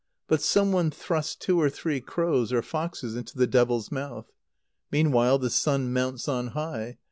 But some one thrusts two or three crows or foxes into the devil's mouth. Meanwhile the sun mounts on high.